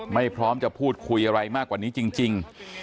ไม่พร้อมจะพูดคุยอะไรมากกว่านี้จริง